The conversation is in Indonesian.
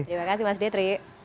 terima kasih mas detri